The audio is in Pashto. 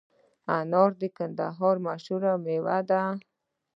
انار د کندهار مشهوره میوه ده